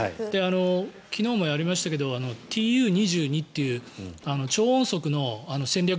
昨日もやりましたけどＴｕ２２という超音速の戦略